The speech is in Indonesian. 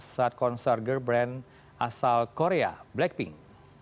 saat konser girl brand asal korea blackpink